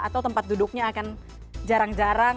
atau tempat duduknya akan jarang jarang